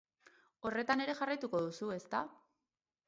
Horretan ere jarraituko duzu, ezta?